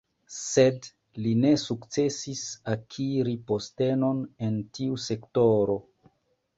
Sed li ne sukcesis akiri postenon en tiu sektoro.